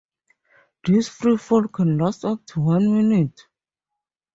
This freefall can last up to one minute.